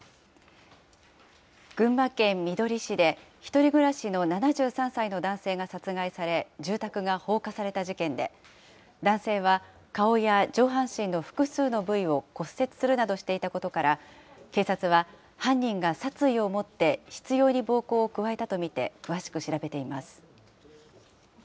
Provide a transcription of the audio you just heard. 群馬県みどり市で、１人暮らしの７３歳の男性が殺害され、住宅が放火された事件で、男性は顔や上半身の複数の部位を骨折するなどしていたことから、警察は、犯人が殺意を持って執ように暴行を加えたと見て、詳しく調べています。